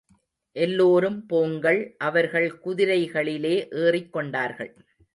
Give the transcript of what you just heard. எல்லோரும் போங்கள். அவர்கள் குதிரைகளிலே ஏறிக் கொண்டார்கள்.